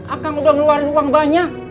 akang udah ngeluarin uang banyak